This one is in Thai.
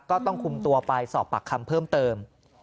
ก็ต้องคุมตัวไปสอบปากคำเพิ่มเติม